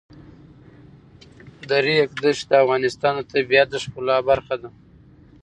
د ریګ دښتې د افغانستان د طبیعت د ښکلا برخه ده.